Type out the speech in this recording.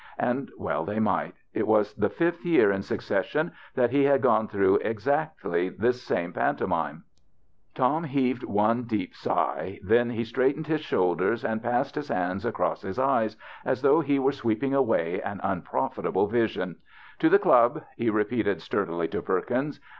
And well they might. It was the fifth year in succession that he had gone through exactly this same pantomime. Tom heaved one deep sigh ; then he straightened his shoul ders and passed his hand across his eyes as though he Avere sweeping away an unprofit able vision. " To the club," he repeated sturdily to Perkins.